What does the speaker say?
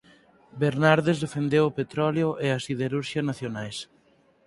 Bernardes defendeu o petróleo e a siderurxia nacionais.